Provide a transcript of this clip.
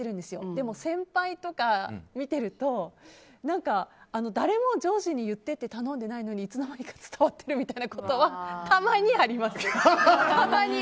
でも、先輩とかを見てると何か、誰も上司に言ってって頼んでないのにいつの間にか伝わってるみたいなことはたまにあります。